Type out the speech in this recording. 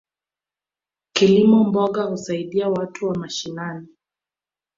Kilimo mboga husaidia watu wa mashinani.